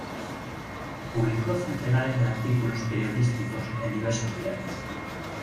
Publicó centenares de artículos periodísticos en diversos diarios.